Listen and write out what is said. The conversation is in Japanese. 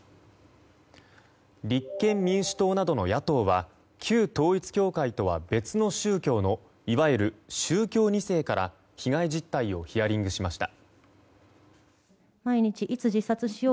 立憲民主党などの野党は旧統一教会とは別の宗教のいわゆる宗教２世から被害実態をヒアリングしました。